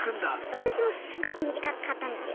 私もすごく短かったんですよ。